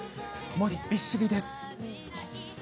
文字、びっしりです。